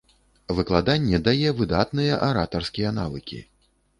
Выкладанне дае выдатныя аратарскія навыкі.